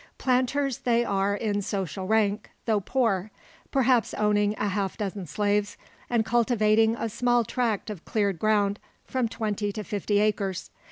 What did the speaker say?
Planters they are in social rank, though poor; perhaps owning a half dozen slaves, and cultivating a small tract of cleared ground, from twenty to fifty acres.